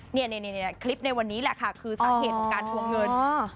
นี่คลิปในวันนี้แหละค่ะคือสาเหตุของการทวงเงิน